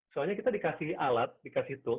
soalnya kita dikasih alat dikasih tool